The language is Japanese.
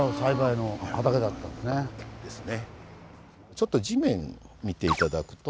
ちょっと地面見て頂くと。